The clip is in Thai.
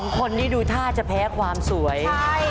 คนนี้ดูท่าจะแพ้ความสวย